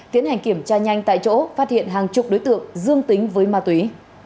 tiến hành kiểm tra nhanh tại chỗ phát hiện hàng chục đối tượng dương tính với ma túy